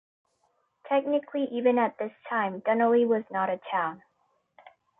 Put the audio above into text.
Technically even at this time Dunolly was not a town.